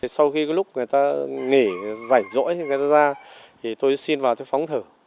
sau khi lúc người ta nghỉ rảnh rỗi thì người ta ra tôi xin vào tôi phóng thử